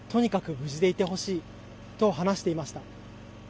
無事でいてほしいと話していました。